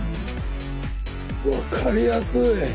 分かりやすい！